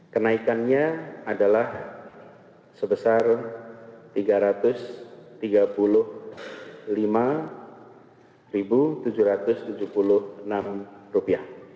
kenaikannya adalah sebesar rp tiga ratus tiga puluh lima tujuh ratus tujuh puluh enam